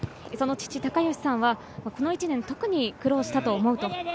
その父・たかよしさんは、この１年、特に苦労したと思う。